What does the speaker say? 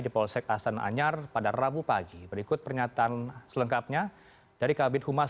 di polsek asananyar pada rabu pagi berikut pernyataan selengkapnya dari kabinet humas